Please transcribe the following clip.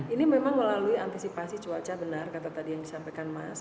ini memang melalui antisipasi cuaca benar kata tadi yang disampaikan mas